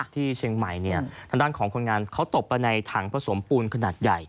ที่เชียงใหม่ทางด้านของคนงานเขาตบไปในถังผสมปูนขนาดใหญ่